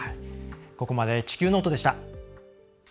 ここまで「地球ノート」でした。